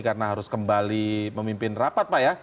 karena harus kembali memimpin rapat pak ya